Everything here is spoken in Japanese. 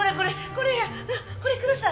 これください。